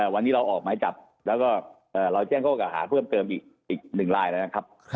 วันนี้เราออกไหม้จับแล้วก็เราแจ้งข้อหากอล์ฟเพิ่มเติมในอีกหนึ่งลายแล้วนะครับ